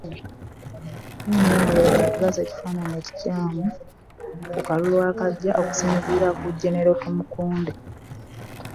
NRM etulaze ekifaananyi ekikyamu ku kalulu akajja okusinziira ku genero Tumukunde